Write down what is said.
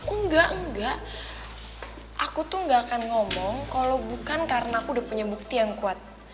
enggak enggak aku tuh gak akan ngomong kalau bukan karena aku udah punya bukti yang kuat